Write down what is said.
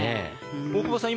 大久保さん